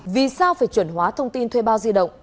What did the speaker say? vì sao phải chuẩn hóa thông tin thuê bao di động